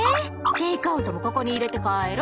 テイクアウトもここに入れて帰ろ。